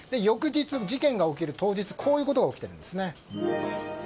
翌日、事件が起きる当日こういうことが起きているんです。